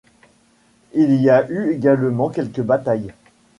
Il y a eu également quelques batailles.